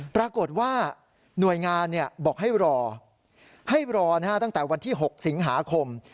ปรากฏว่าหน่วยงานบอกให้รอให้รอตั้งแต่วันที่๖สิงหาคม